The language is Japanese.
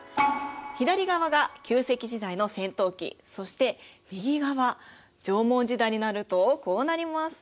左側が旧石器時代の尖頭器そして右側縄文時代になるとこうなります。